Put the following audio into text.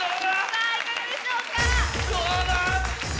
さぁいかがでしょうか？